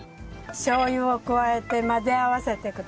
しょう油を加えて混ぜ合わせてください。